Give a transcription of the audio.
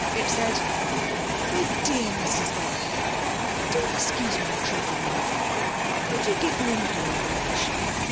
It said: 'My DEAR MRS OTTLEY, Do excuse my troubling you, but could you give me a little information?